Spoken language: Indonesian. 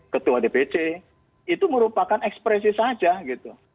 ketua dpc itu merupakan ekspresi saja gitu